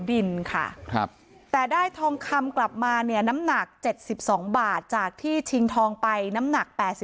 ดินค่ะแต่ได้ทองคำกลับมาเนี่ยน้ำหนัก๗๒บาทจากที่ชิงทองไปน้ำหนัก๘๐